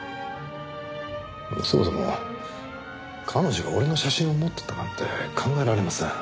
そもそも彼女が俺の写真を持ってたなんて考えられません。